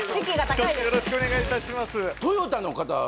ひとつよろしくお願いいたします